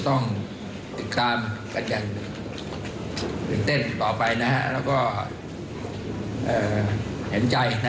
แต่อย่างไรก็ตามแล้วก็พยายามทำให้การบริการที่ดีสุดนะ